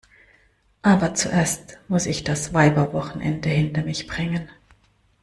Aber zuerst muss ich das Weiberwochenende hinter mich bringen.